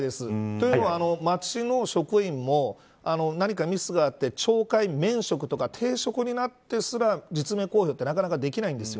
というのは、町の職員も何かミスがあって懲戒免職とか停職になってすら実名公表はなかなかできないんです。